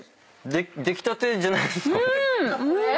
出来たてじゃないんですかこれ。